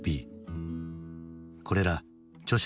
これら著者